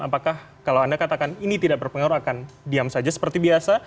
apakah kalau anda katakan ini tidak berpengaruh akan diam saja seperti biasa